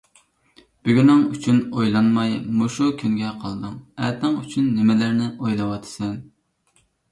بۈگۈنىڭ ئۈچۈن ئويلانماي مۇشۇ كۈنگە قالدىڭ، ئەتەڭ ئۈچۈن نېمىلەرنى ئويلاۋاتىسەن؟!